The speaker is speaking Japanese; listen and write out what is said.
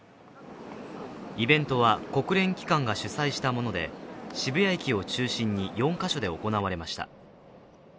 イベントは国連機関が主催したもので、渋谷駅を中心に４か所で行われました。